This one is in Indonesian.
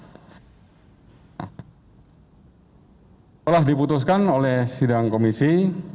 setelah diputuskan oleh sidang komisi